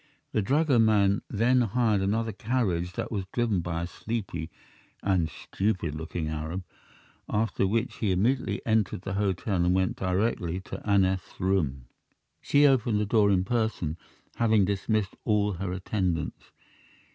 The dragoman then hired another carriage that was driven by a sleepy and stupid looking Arab, after which he immediately entered the hotel and went directly to Aneth's room. She opened the door in person, having dismissed all her attendants.